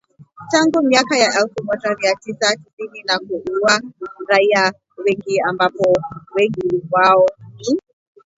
tangu miaka ya elfu moja mia tisa tisini na kuua raia wengi ambapo wengi wao ni